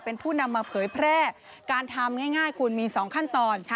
เป็นผู้นำมาเผยแพร่การทำง่ายคุณมี๒ขั้นตอน